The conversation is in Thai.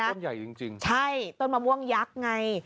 ต้นใหญ่จริงจริงใช่ต้นมะม่วงยักษ์ไง